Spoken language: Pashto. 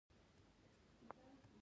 د کوکچې سیند په بدخشان کې دی